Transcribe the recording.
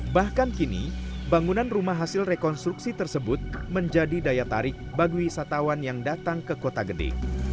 bahkan kini bangunan rumah hasil rekonstruksi tersebut menjadi daya tarik bagi wisatawan yang datang ke kota gede